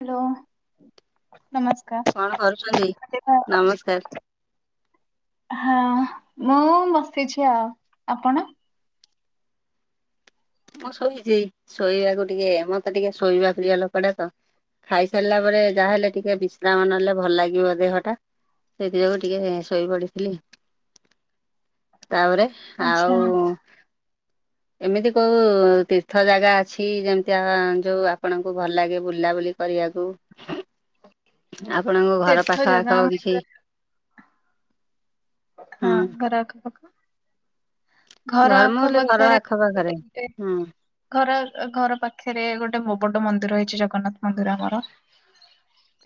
Hello କଣ କରୁଛନ୍ତି? ନମସ୍କାର। ନମସ୍କାର [unintelligible] ହଁ ମୁଁ ବସିଛି ଆଉ ଆପଣ? ମୁଁ ଶୋଇଛି। ଶୋଇବାକୁ ଟିକେ ମତେ ଟିକେ ଶୋଇବା ଫିଡିଆ ଲୋକଟା ତ। ଖାଇସାରିଲା ପରେ ଯାହାହେଲେ ଟିକେ ବି ଶ୍ରାମ ନେଲେ ଭଲ ଲାଗିବ ଦେହଟା। ସେଇଥିପାଇଁ ମୁଁ ଟିକେ ଶୋଇ ପଡ଼ିଥିଲି। ତାପରେ ଆଚ୍ଛା ଆଉ ଏମିତି କୋଉ ତୀର୍ଥ ଜାଗା ଅଛି ଯେମତିଆ ଯୋଉ ଆପଣଙ୍କୁ ଭଲ ଲାଗେ ବୁଲା ବୁଲି କରିଆକୁ? [inaudible] ଆପଣଙ୍କ ଘର ତୀର୍ଥ ପାଖ ଜାଗା ଆଖ ଆମ କିଛି ହଁ ହୁଁ ଘର ଆଖ ପାଖ। ଘର ମୁଁ କହିଲି ଘର ଆଖପାଖରେ ଆଖ ପାଖରେ [unintelligible] ହୁଁ ଘର ଆଖ୍ ଘର ପାଖରେ ଗୋଟେ ମୋବଡ ମନ୍ଦିର ହେଇଛି ଜଗନ୍ନାଥ ମନ୍ଦିର ଆମର।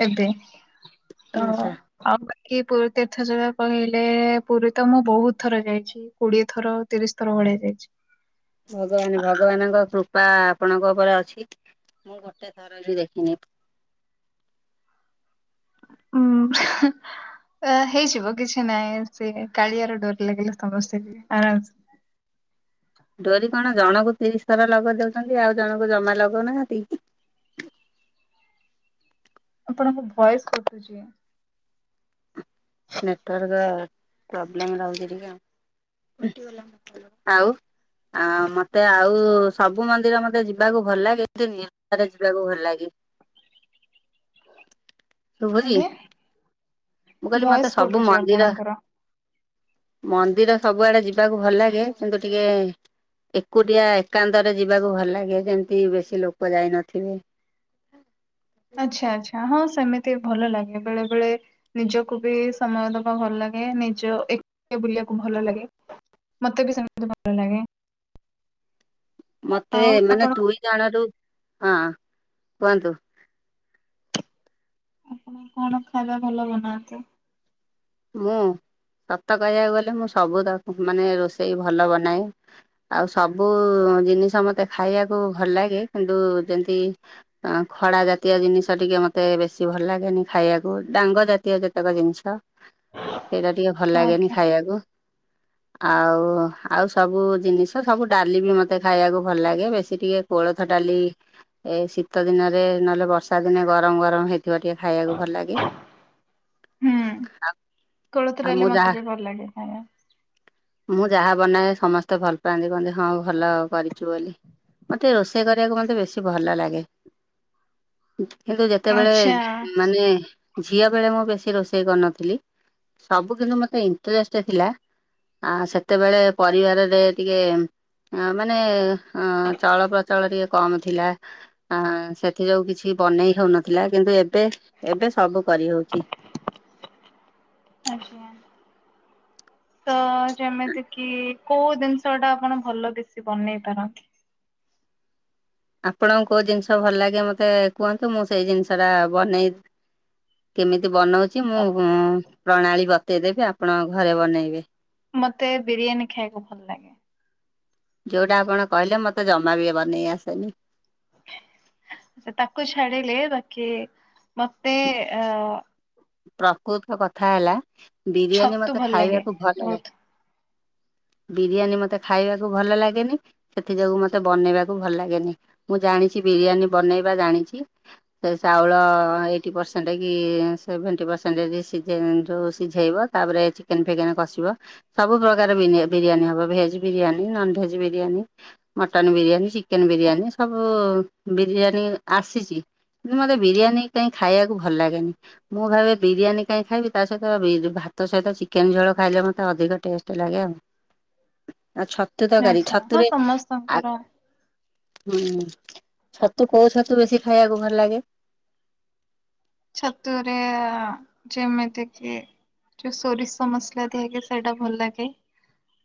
ଏବେ ତ ଆଚ୍ଛା। ଆଉ ବାକି ପୁରୀ ତୀର୍ଥ ଜାଗା କହିଲେ, ପୁରୀ ତ ମୁଁ ବହୁତ ଥର ଯାଇଛି। କୋଡ଼ିଏ ଥର ତିରିଶ ଥର ଭଳିଆ ଯାଇଛି। ଭଗବାନେ, ଭଗବାନଙ୍କ କୃପା ଆପଣଙ୍କ ଉପରେ ଅଛି। ମୁଁ ଗୋଟେ ଥର ବି ଦେଖିନି। ଉଁ। ଅ ହେଇଯିବ କିଛି ନାହିଁ ସେ କାଳିଆର ଡୋରି ଲାଗିଲା ସମସ୍ତେ ଆରାମ ସେ ଡୋରି କଣ ଜଣଙ୍କୁ ତିରିଶ ଥର ଲଗେଇ ଦଉଛନ୍ତି। ଆଉ ଜଣଙ୍କୁ ଜମା ଲଗଉନାହାନ୍ତି କି? ଆପଣଙ୍କ ଭଏସ କଟୁଛି। ନେଟୱର୍କ ପ୍ରୋବ୍ଲେମ ରହୁଛି ଟିକେ। ଆଉ ଆ ମତେ ଆଉ ସବୁ ମନ୍ଦିର ମତେ ଯିବାକୁ ଭଲ ଲାଗେ [unintelligible] ସାରଜିବାକୁ ଭଲ ଲାଗେ। ଶୁଭୁଛି? ଆଜ୍ଞା ମୁଁ କହିଲି ଭଏସ୍ ମତେ ସବୁ କଟୁଛି ମନ୍ଦିର ଆପଣଙ୍କର ମନ୍ଦିର ସବୁଆଡେ ଯିବାକୁ ଭଲ ଲାଗେ କିନ୍ତୁ ଟିକେ ଏକୁଟିଆ ଏକାନ୍ତରେ ଯିବାକୁ ଭଲ ଲାଗେ ଯେମତି ବେଶୀ ଲୋକ ଯାଇନଥିବେ। ଆଚ୍ଛା ଆଚ୍ଛା ହଁ ସେମିତି ଭଲ ଲାଗେ ବେଳେ ବେଳେ ନିଜକୁ ବି ସମୟ ଦବା ଭଲ ଲାଗେ। ନିଜ ଏକ ବୁଲିବାକୁ ଭଲ ଲାଗେ। ମତେ ବି ସେମିତି ଭଲ ଲାଗେ। ମତେ ଆଉ ମାନେ ଆପଣ ଦୁଇ ଜଣ ରୁ ହଁ କୁହନ୍ତୁ। ଆପଣ କଣ ଖାଇବା ଭଲ ବନାନ୍ତି? ମୁଁ ସତ କହିବାକୁ ଗଲେ ମୁଁ ସବୁ ତାକୁ ମାନେ ରୋଷେଇ ଭଲ ବନାଏ। ଆଉ ସବୁ ଜିନିଷ ମତେ ଖାଇବାକୁ ଭଲ ଲାଗେ କିନ୍ତୁ ଯେମତି ଅ ଖଡ଼ା ଜାତୀୟ ଜିନିଷ ଟିକେ ମତେ ବେଶି ଭଲ ଲାଗେନି ଖାଇବାକୁ। ଡାଙ୍ଗ ଜାତୀୟ ଯେତେକ ଜିନିଷ ସେଇଟା ଟିକେ ଭଲ ଲାଗେନି ଆଜ୍ଞା ଖାଇବାକୁ। ଆଉ ଆଉ ସବୁ ଜିନିଷ ସବୁ ଡାଲି ବି ମତେ ଖାଇବାକୁ ଭଲ ଲାଗେ। ବେଶୀ ଟିକେ କୋଳଥ ଡାଲି ଏ ଶୀତ ଦିନରେ ନହେଲେ ବର୍ଷା ଦିନେ ଗରମ ଗରମ ହେଇଥିବ ଟିକେ ଖାଇବାକୁ ଭଲ ଲାଗେ। ହୁଁ କୋଳଥ ଆଉ ମୁଁ ଡାଲି ଯାହା ମତେ ବି ଭଲ ଲାଗେ ଖାଇବାକୁ। ମୁଁ ଯାହା ବନାଏ ସମସ୍ତେ ଭଲ ପାଆନ୍ତି ବ ହଁ ଭଲ କରିଛୁ ବୋଲି ମୋତେ। ରୋଷେଇ କରିବାକୁ ମତେ ବେଶୀ ଭଲ ଲାଗେ। କିନ୍ତୁ ଯେତେବେଳେ ଆଚ୍ଛା ମାନେ ଝିଅ ବେଳେ ମୁଁ ବେଶୀ ରୋଷେଇ କରିନଥିଲି। ଥିଲି ସବୁ କିନ୍ତୁ ମତେ ଇନ୍ତ୍ରେଷ୍ଟ ଥିଲା। ଆ ସେତେବେଳେ ପରିବାରରେ ଟିକେ ଆ ମାନେ ହ ଚଳ ପ୍ରଚଳ ଟିକେ କମ ଥିଲା। ସେଥିଯୋଗୁଁ କିଛି ବନେଇ ହେଉନଥିଲା କିନ୍ତୁ ଏବେ ଏବେ ସବୁ କରିହଉଛି। ଆଚ୍ଛା ତ। ଯେମିତି କି କୋଉ ଜିନିଷ ଟା ଆପଣ ଭଲ ବେଶୀ ବନେଇ ପାରନ୍ତି। ଆପଣଙ୍କୁ କଉ ଜିନିଷ ଭଲ ଲାଗେ ମୋତେ କୁହନ୍ତୁ ମୁଁ ସେଇ ଜିନିଷଟା ବନେଇ। କେମିତି ବନଉଛି ମୁଁ ପ୍ରଣାଳୀ ବତେଇଦେବି ଆପଣ ଘରେ ବନେଇବେ। ମତେ ବିରିୟାନୀ ଖାଇବାକୁ ଭଲ ଲାଗେ। ଯଉଟା ଆପଣ କହିଲେ ମୋତେ ଜମା ବି ବନେଇ ଆସେନି। ଏ ତାକୁ ଛାଡ଼ିଲେ ବାକି ମତେ ଅ। ପ୍ରକୃତ କଥା ହେଲା ବିରିୟାନୀ ଛତୁ ମତେ ଭଲ ଲାଗେ ଖାଇବାକୁ ଭଲ ଲା ବହୁତ। ବିରିୟାନୀ ମତେ ଖାଇବାକୁ ଭଲ ଲାଗେନି। ସେଥି ଯୋଗୁ ମତେ ବନେଇବାକୁ ଭଲ ଲାଗେନି ମୁଁ ଜାଣିଛି ବିରିୟାନୀ ବନେଇବା ଜାଣିଛି। ସେ ଚାଉଳ ଏଇଟି ପରସେଣ୍ଟ କି ସେଭେଣ୍ଟି ପରସେଣ୍ଟେଜ ସିଝେ ଯୋଉ ସିଝେଇବ ତାପରେ ଚିକେନ୍ ଫିକେନ୍ କଷିବ। ସବୁ ପ୍ରକାର ବିନି ବିରିୟାନୀ ହବ veg biryani, non veg biryani, mutton biryani ଚି ଚିକେନ ବିରିୟାନୀ ସବୁ। ବିରିୟାନୀ ଆସିଛି କିନ୍ତୁ ମତେ ବିରିୟାନୀ କାହିଁ ଖାଇବାକୁ ଭଲ ଲାଗେନି। ମୁଁ ଭାବେ ବିରିୟାନୀ କାହିଁ ଖାଇବି ତା ସହିତ ବି ଯୋଉ ଭାତ ସହିତ ଚିକେନ ଝୋଳ ଖାଇଲେ ମୋତେ ଅଧିକ ଟେଷ୍ଟ ଲାଗେ ଆଉ। ଆ ଛତୁ ତରକାରୀ ହଁ ଛତୁରେ ଆ ସମସ୍ତଙ୍କର ହୁଁ। ଛତୁ କୋଉ ଛତୁ ବେଶୀ ଖାଇବାକୁ ଭଲ ଲାଗେ? ଛତୁରେ ଆ ଯେମିତି କିି। ଯୋଉ ସୋରିଷ ମସଲା ଦିଆହେଇକି ସେଇଟା ଭଲ ଲାଗେ।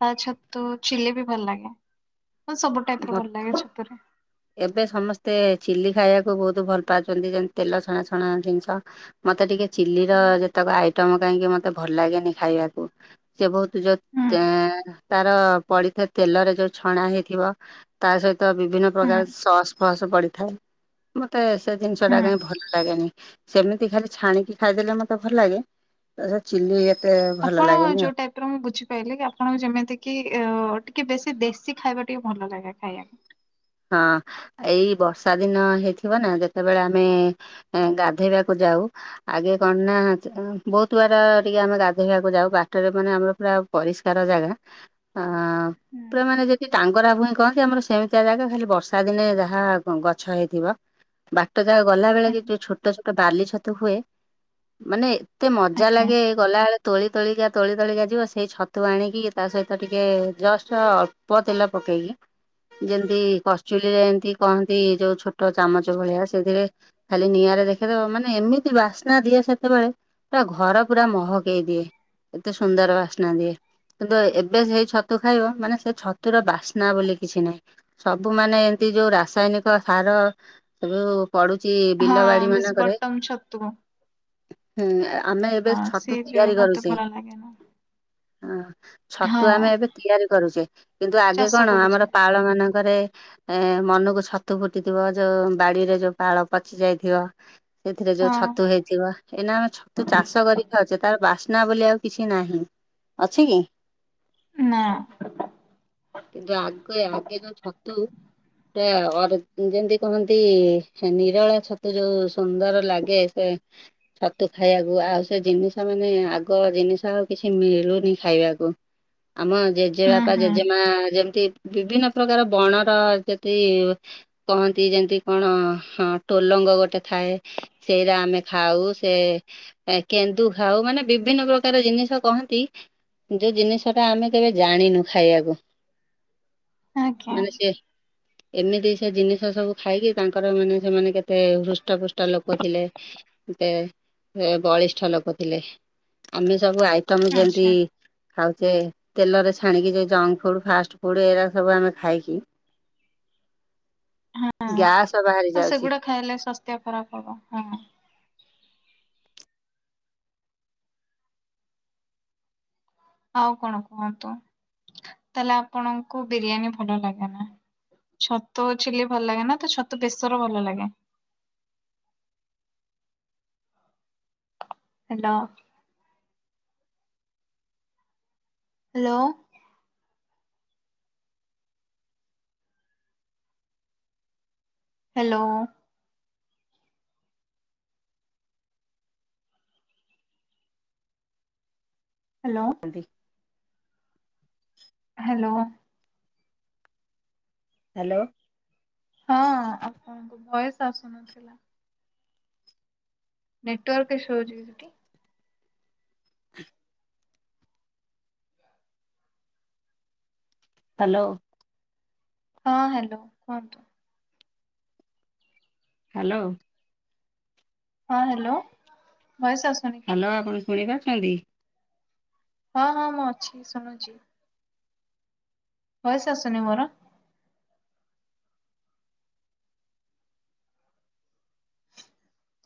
ଆଉ ଛତୁ ଚିଲି ବି ଭଲ ଲାଗେ। ଉଁ ସବୁ ଟାଇପ ର ଭଲ ଲାଗେ ଛତୁରେ। ଏବେ ସମସ୍ତେ ଚିଲି ଖାଇବାକୁ ବହୁତ ଭଲ ପାଉଛନ୍ତି ଯେମିତି ତେଲ ଛଣାଛଣା ଜିନିଷ। ମତେ ଟିକେ ଚିଲିର ହୁଁ ଯେତେକ ଆଇଟମ କାହିଁକି ମତେ ଭଲ ଲାଗେନି ଖାଇବାକୁ ସେ ବହୁ ତ ଯୋଉ ତାଁ ତାର ପଡିଥିବା ତେଲରେ ଯୋଉ ଛଣା ହେଇଥିବ। ତା ସହିତ ବିଭିନ୍ନ ହୁଁ ପ୍ରକାର ସସ ଫସ ପଡିଥାଏ ମତେ। ସେ ଜିନିଷ ହୁଁ। ଟା କାହିଁ ଭଲ ଲାଗେନି ସେମିତି ଖାଲି ଛାଣିକି ଖାଇଦେଲେ ମତେ ଭଲ ଲାଗେ। ତ ସେ ଚିଲି ଏତେ ଭଲ ଲାଗେନି ଆଉ। ତ୍ର ମୁଁ ବୁଝିପାଈଲିି କି ଆପଣଙ୍କୁ ଯେମିତି କିି ଅ ଟିକେ ବେଶୀ ଦେଶୀ ଖାଇବା ଟିକେ ଭଲ ଲାଗେ ଖାଇବାକୁ। ହଁ ଏଇ ବର୍ଷା ଦିନ ହେଇଥିବ ନା ଯେତେବେଳେ ଆମେ। ଏଁ ଗାଧେଇବାକୁ ଯାଉ। ଆଗେ କଣ ନା ତ ଅଁ ବହୁତ ବାଟ ଟିକେ ଆମେ ଗାଧେଇବାକୁ ଯାଉ ବାଟରେ ମାନେ ଆମର ପୁରା। ପରିଷ୍କାର ଜାଗା ଅ ପୁରା ମାନେ ଯଦି ଟାଙ୍ଗରା ଭୁଇଁ କହନ୍ତି ଆମର ସେମିତିଆ ଜାଗା। ଖାଲି ବର୍ଷା ଦିନେ ଯାହା ଅଁ ଗଛ ହେଇଥିବ ବାଟ ଯାକ ଗଲା ବେଳେ କି ହୁଁ। ଯୋଉ ଛୋଟ ଛୋ ଗୋଟେ ବାଲି ଛତୁ ହୁଏ ମାନେ ଏତେ ମଜା ଆଜ୍ଞା ଲାଗେ। ଗଲାବେଳେ ତୋଳି ତୋଳିକା ତୋଳି ତୋଳିକା ଯିବ ସେଇ ଛତୁ ଆଣିକି ତା ସହିତ ଟିକେ ଜଷ୍ଟ। ପ ତେଲ ପକେଇକି ଯେମିତି। କସ ଚୁଲିରେ ଏମିତି କହନ୍ତି ଯୋଉ ଛୋଟ ଚାମଚ ଭଳିଆ ସେଥିରେ। ଖାଲି ନିଆଁରେ ଦେଖେଇଦବ ମାନେ ଏମିତି ବାସ୍ନା ଦିଏ ସେତେବେଳେ। ପୁରା ଘର ପୁରା ମହକେଇ ଦିଏ ଏତେ ସୁନ୍ଦର ବାସ୍ନା ଦିଏ। କିନ୍ତୁ ଏବେ ସେଇ ଛତୁ ଖାଇବ ମାନେ ସେ ଛତୁର ବାସ୍ନା ବୋଲି କିଛି ନାହିଁ। ସବୁମାନେ ଏମିତି ଯୋଉ ରାସାୟନିକ ସାର ଯଉ। ପଡୁଛି ବିଲ ବାଡି ହଁ ବେଶୀ ମାନଙ୍କରେ ବଟମ ଛତୁ ହୁଁ ଆ ଆମେ ଏବେ ହଁ ଛତୁ ସିଏ ଯୋଉ ତିଆରି ମତେ କରୁଛି। ଭଲ ଲାଗେନା ହଁ ହଁ ଛତୁ ଆମେ ଏବେ ତିଆରି କରୁଛେ କିନ୍ତୁ ଆଗେ ଚାଷ କଣ କରୁଛେ ଆମର ପାଳ ମାନ ରେ ଏ ମନକୁ ଛତୁ ଫୁଟିଥିବ ଯୋଉ ବାଡିରେ ଯୋଉ ପାଳ ପଚି ଯାଇଥିବ। ସେଥିରେ ଯୋଉ ହଁ ଛତୁ ହେଇ ଥିବା ଏଇନା ଆମେ ଛତୁ ଚାଷ କରିକ ଖାଉଛେ ତାର ବାସ୍ନା ବୋଲି ଆଉ କିଛି ନାହିଁ। ଅଛି କି? ନା। କିନ୍ତୁ ଆଗେ ଆଗେ ଯୋଉ ଛତୁ ରେ ଅର୍ଗ ଯେମିତି କହନ୍ତି ନିରଳା ଛତୁ ଯୋଉ ସୁନ୍ଦର ଲାଗେ ସେ ଛତୁ ଖାଇବାକୁ ଆଉ ସେ ଜିନିଷ ମାନେ ଆଗ ଜିନିଷ ଆଉ କିଛି ମିଳୁନି ଖାଇବାକୁ। ଆମ ହୁଁ ଜେଜେବାପା ହୁଁ ଜେଜେମା ଯେମତି ବିଭିନ୍ନ ପ୍ରକାର ବଣ ର ଯଦି କହନ୍ତି ଯେମିତି କଣ ହ ଟୋଲଙ୍ଗ ଗୋଟେ ଥାଏ। ସେଇରା ଆମେ ଖାଉ ସେ ଏ କେନ୍ଦୁ ଖାଉ ମାନେ ବିଭିନ୍ନ ପ୍ରକାର ଜିନିଷ କହନ୍ତି। ଯୋଉ ଜିନିଷ ଟା ଆମେ କେବେ ଜାଣିନୁ ଖାଇବାକୁ। ଆଜ୍ଞା ମାନେ ସେ ଏମିତି ସେ ଜିନିଷ ସବୁ ଖାଇକି ତାଙ୍କର ମାନେ ସେମାନେ କେତେ ହୃଷ୍ଟ ପୃଷ୍ଟ ଲୋକ ଥିଲେ। ଦେ ଏ ବଳିଷ୍ଠ ଲୋକ ଥିଲେ ଆମେ ସବୁ ଆଇ ଷ୍ଟମ ଯେମତି ଆଚ୍ଛା ଖାଉଛେ ତେଲରେ ଛାଣିକି ଯ ଜଙ୍କ ଫୁଡ ଫାଷ୍ଟ ଫୁଡ ଏଗା ସବୁ ଆମେ ଖାଇକି ହଁ ଗ୍ୟାସ ବାହାରି ତ ଯାଉଛି ସେଗୁଡା ଖାଇଲେ ସ୍ୱାସ୍ଥ୍ୟ ଖରାପ ହବ ହଁ। ଆଉ କଣ କୁହନ୍ତୁ ତାହେଲେ ଆପଣଙ୍କୁ ବିରିୟାନୀ ଭଲ ଲାଗେ ନା? ଛତୁ ଆଉ ଛିଲି ଭଲ ଲାଗେ ନା ତା ଛତୁ ବେସର ଭଲ ଲାଗେ? Hello. Hello. Hello. Hello. Hello. Hello. ହଁ ଆପଣଙ୍କୁ ଭୟସ ଆସୁନଥିଲା। ନେଟୱାର୍କ ଇସ୍ୟୁ ହଉଛି କି ସେଠି? ହ୍ୟାଲୋ। ହଁ ହ୍ୟାଲୋ କୁହନ୍ତୁ। ହ୍ୟାଲୋ। ହଁ ହ୍ୟାଲୋ ଭୟେସ ଆସୁ ହ୍ୟାଲୋ ଆପଣ ଶୁଣିପାରୁଛନ୍ତି? ହଁ ହଁ ମୁଁ ଅଛି ଶୁଣୁଛି। ଭଏସ ଆସୁନି ମୋର?